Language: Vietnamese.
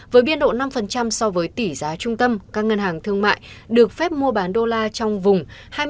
với biên độ năm so với tỷ giá trung tâm các ngân hàng thương mại được phép mua bán đô la trong vùng